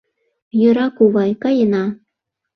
Йӧра, кувай, каена.